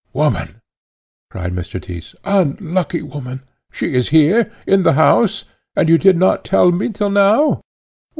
"Woman!" cried Mr. Tyss, "unlucky woman, she is here! in the house! and you do not tell me till now?"